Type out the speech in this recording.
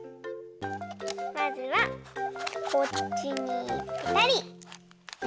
まずはこっちにぺたり！